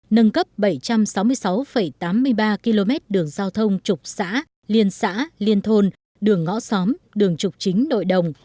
nâng cấp bảy trăm sáu mươi sáu tám mươi ba km đường giao thông trục xã liên xã liên thôn đường ngõ xóm đường trục chính nội đồng